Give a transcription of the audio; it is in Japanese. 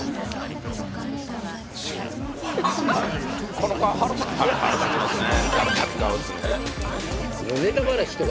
この顔腹立つ腹立ちますね